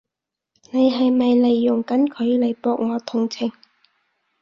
你係咪利用緊佢嚟博我同情？